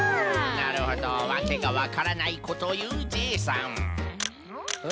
なるほどわけがわからないことをいうジェイさん。